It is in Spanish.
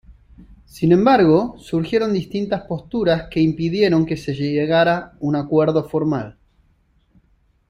Sin embargo, surgieron distintas posturas que impidieron que se llegara un acuerdo formal.